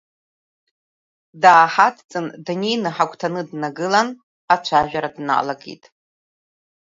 Дааҳадҵын, днеины ҳагәҭаны днагылан, ацәажәара дналагеит.